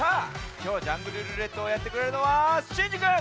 きょう「ジャングルるーれっと」をやってくれるのはシンジくん。